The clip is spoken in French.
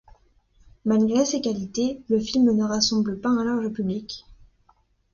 Malgré ses qualités, le film ne rassemble pas un large public.